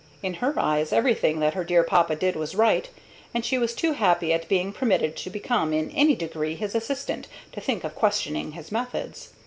In her eyes everything that her dear papa did was right, and she was too happy at being permitted to become in any degree his assistant to think of questioning his methods.